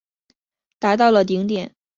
达到了顶点。